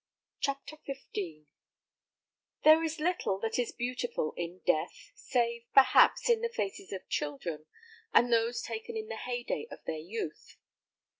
CHAPTER XV There is little that is beautiful in death, save, perhaps, in the faces of children, and those taken in the heyday of their youth.